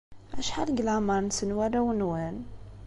Acḥal deg leɛmeṛ-nsen warraw-nwen?